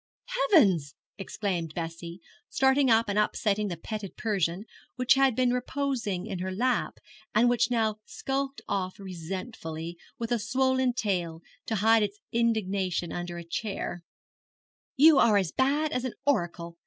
'Heavens!' exclaimed Bessie, starting up and upsetting the petted Persian, which had been reposing in her lap, and which now skulked off resentfully, with a swollen tail, to hide its indignation under a chair, 'you are as bad as an oracle.